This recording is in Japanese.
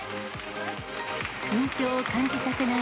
緊張を感じさせない